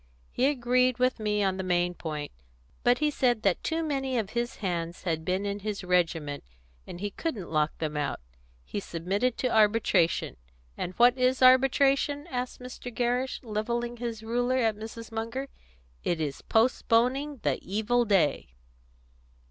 "He agreed with me on the main point, but he said that too many of his hands had been in his regiment, and he couldn't lock them out. He submitted to arbitration. And what is arbitration?" asked Mr. Gerrish, levelling his ruler at Mrs. Munger. "It is postponing the evil day."